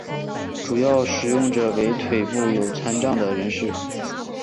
主要使用者为腿部有残障人士。